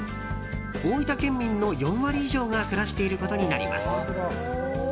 大分県民の４割以上が暮らしていることになります。